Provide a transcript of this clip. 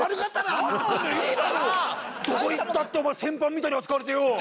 どこいったってお前戦犯みたいに扱われてよ。